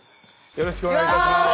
よろしくお願いします。